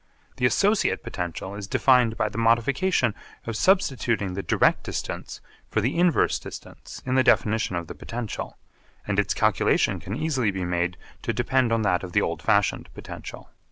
The associate potential is defined by the modification of substituting the direct distance for the inverse distance in the definition of the potential, and its calculation can easily be made to depend on that of the old fashioned potential.